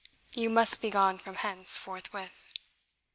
You must be gone from hence forthwith."